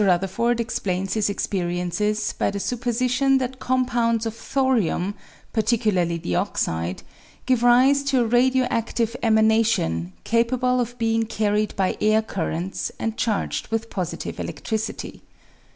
Rutherford explains his ex periences by the supposition that compounds of thorium, particularly the oxide, give rise to a radio active emanation capable of being carried by air currents and charged with positive eledricity.